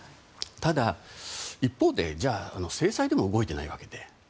ただ、一方でじゃあ制裁でも動いていないわけで。